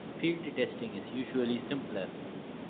Field testing is usually simpler.